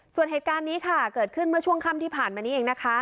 ส่วนเหตุการณ์นี้ค่ะเกิดขึ้นเมื่อช่วงค่ำที่ผ่านมานี้เองนะคะ